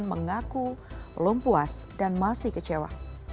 mengaku belum puas dan masih kecewa